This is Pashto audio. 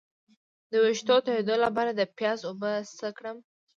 د ویښتو تویدو لپاره د پیاز اوبه څه کړم؟